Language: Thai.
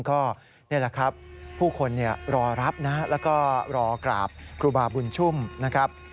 ก็นี่แหละครับผู้คนรอรับนะแล้วก็รอกราบครูบาบุญชุ่มนะครับ